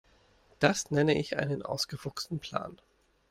Das nenne ich einen ausgefuchsten Plan.